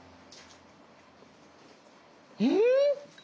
うん？